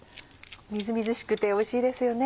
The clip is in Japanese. みずみずしくておいしいですよね。